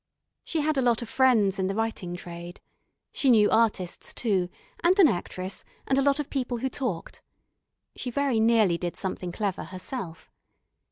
She had a lot of friends in the writing trade. She knew artists too, and an actress, and a lot of people who talked. She very nearly did something clever herself.